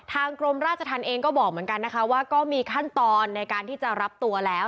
กรมราชธรรมเองก็บอกเหมือนกันนะคะว่าก็มีขั้นตอนในการที่จะรับตัวแล้ว